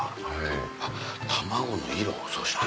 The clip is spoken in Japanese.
あっ卵の色そして。